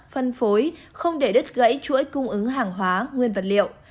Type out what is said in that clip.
phân phối không để đứt gãy chuỗi cung ứng hàng hóa nguyên vật liệu